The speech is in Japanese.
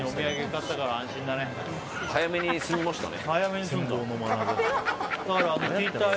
早めに済みましたね。